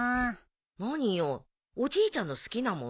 何よおじいちゃんの好きなもの？